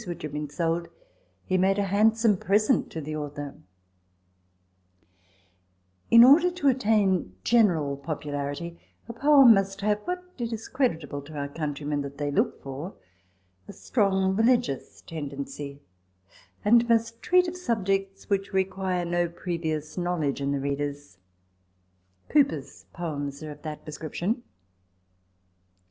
" P. 360, ed. 1808. io6 RECOLLECTIONS OF THE In order to attain general popularity, a poem must have (what it is creditable to our countrymen that they look for) a strong religious tendency, and must treat of subjects which require no previous know ledge in the readers. Cowper's poems are of that description.